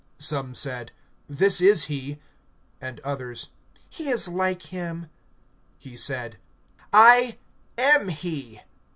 (9)Some said: This is he; and others: He is like him; he said: I am he.